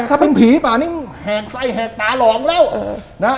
ถ้าเป็นผีจั่งแหงใสแหงกาหลอกแล้ว